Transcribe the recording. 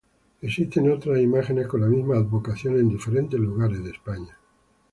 Existen otras imágenes con la misma advocación en diferentes lugares de España.